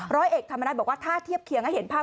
ร้อยเอกธรรมนัฐบอกว่าถ้าเทียบเคียงให้เห็นภาพ